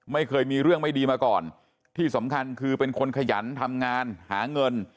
ไม่เคยมีเรื่องไม่ดีมาก่อนที่สำคัญคือเป็นคนขยันทำงานหาเงิน